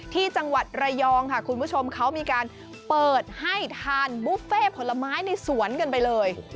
ที่จังหวัดระยองค่ะคุณผู้ชมเขามีการเปิดให้ทานบุฟเฟ่ผลไม้ในสวนกันไปเลย